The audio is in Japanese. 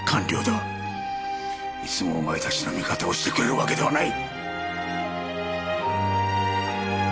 いつもお前たちの味方をしてくれるわけではない！